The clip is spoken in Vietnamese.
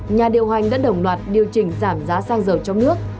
nhà điều hành đã đồng loạt điều chỉnh giảm giá xăng dầu trong nước